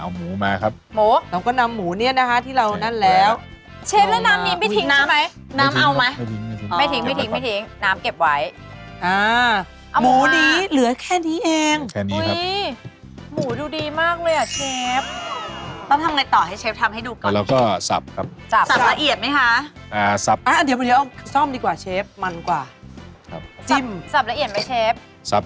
เอาหมูมาครับหมูเราก็นำหมูเนี้ยนะคะที่เรานั่นแล้วเชฟแล้วนำนี้ไม่ทิ้งใช่ไหมนำนำเอาไหมไม่ทิ้งไม่ทิ้งไม่ทิ้งนำเก็บไว้อ่าหมูนี้เหลือแค่นี้เองแค่นี้ครับอุ๊ยหมูดูดีมากเลยอ่ะเชฟต้องทำไงต่อให้เชฟทำให้ดูก่อนแล้วก็สับครับสับสับละเอียดไหมคะอ่าสับ